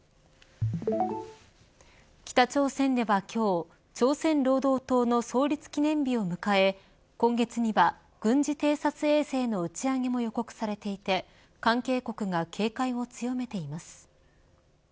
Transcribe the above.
北朝鮮では今日朝鮮労働党の創立記念日を迎え今月には軍事偵察衛星の打ち上げも予告されていて関係国が警戒を強めています。